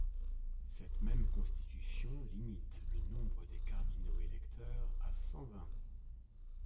Cette même constitution limite le nombre des cardinaux électeurs à cent-vingt.